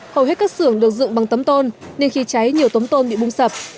hầu hết các xưởng được dựng bằng tấm tôn nên khi cháy nhiều tấm tôn bị bung sập